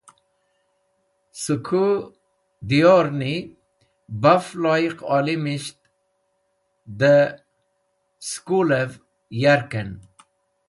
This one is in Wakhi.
Cẽ kũ diyorni baf loyiq olimisht dẽ skulẽv yarkẽn.